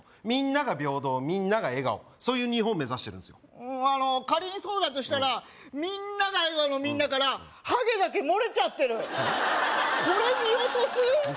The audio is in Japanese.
みんなが平等みんなが笑顔そういう日本目指してるんすよあの仮にそうだとしたら「みんなが笑顔」の「みんな」からハゲだけ漏れちゃってるこれ見落とす？